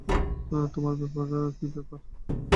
তোমার কী ব্যাপার?